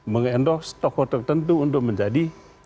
meng endorse tokoh tertentu untuk menjadi